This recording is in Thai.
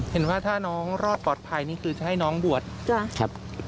เห็นว่าถ้าน้องรอดปลอดภัยนี่คือจะให้น้องบวชครับ